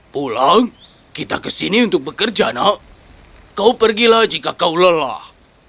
pulang kita ke sini untuk bekerja nak kau pergi lagi jika kau lelah